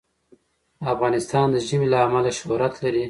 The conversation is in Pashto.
افغانستان د ژمی له امله شهرت لري.